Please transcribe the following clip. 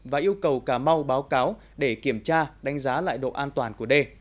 và yêu cầu cà mau báo cáo để kiểm tra đánh giá lại độ an toàn của đê